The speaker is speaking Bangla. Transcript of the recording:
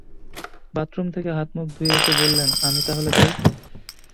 বাথরুম থেকে হাত-মুখ ধুয়ে এসে বললেন, আমি তাহলে যাই?